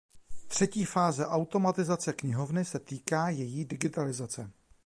Třetí fáze automatizace knihovny se týká její digitalizace.